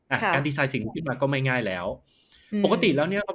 อ่ะการดีไซน์สิ่งนี้ขึ้นมาก็ไม่ง่ายแล้วปกติแล้วเนี้ย